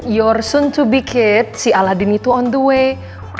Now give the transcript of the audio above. anakmu yang akan datang si aladin itu di jalan